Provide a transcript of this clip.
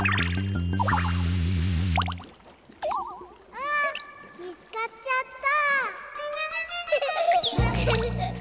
あみつかっちゃった。